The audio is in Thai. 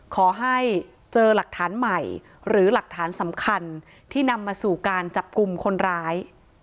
ขอให้เจอหลักฐานใหม่หรือหลักฐานสำคัญที่นำมาสู่การจับกลุ่มคนร้าย